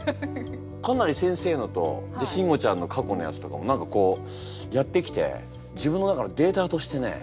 かなり先生のとシンゴちゃんの過去のやつとかも何かこうやってきて自分の中のデータとしてね